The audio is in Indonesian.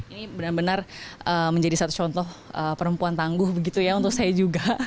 ini benar benar menjadi satu contoh perempuan tangguh begitu ya untuk saya juga